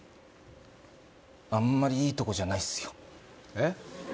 あんまりいいとこじゃないっすよえっ？